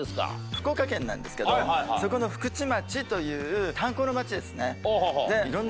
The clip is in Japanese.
福岡県なんですけどそこの福智町という。ですね。